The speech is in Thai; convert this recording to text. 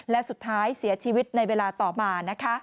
และสุดท้ายเสียชีวิตในเวลาต่อมานะคะ